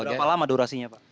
berapa lama durasinya pak